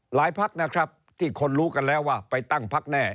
พักนะครับที่คนรู้กันแล้วว่าไปตั้งพักแน่